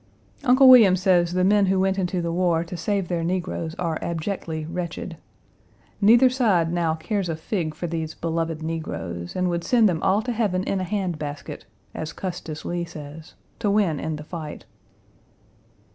Uncle William says the men who went into the war to save their negroes are abjectly wretched. Neither side now cares a fig for these beloved negroes, and would send them all to heaven in a hand basket, as Custis Lee says, to win in the fight.